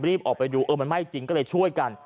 ออกไปดูเออมันไหม้จริงก็เลยช่วยกัน